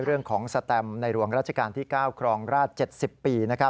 เรื่องของสแตมในหลวงราชการที่๙ครองราช๗๐ปี